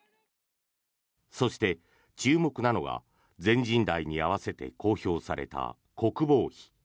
そして、注目なのが全人代に合わせて公表された国防費。